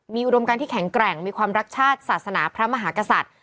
มีอุดมการที่แข็งแกร่งมีความรักชาติศาสนาพระมหากษัตริย์